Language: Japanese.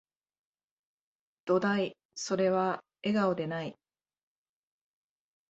どだい、それは、笑顔でない